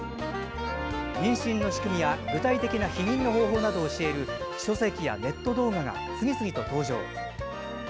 妊娠の仕組みや具体的な避妊の方法などを教える書籍やネット動画が次々と登場。